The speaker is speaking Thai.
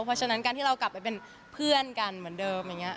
เพราะฉะนั้นการที่เรากลับไปเป็นเพื่อนกันเหมือนเดิมอย่างนี้